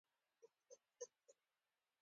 د کور شیشه دوړمنه وه.